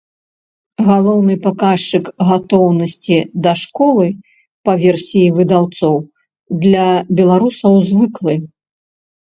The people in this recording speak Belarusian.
Галоўны паказчык гатоўнасці да школы, па версіі выдаўцоў, для беларусаў звыклы.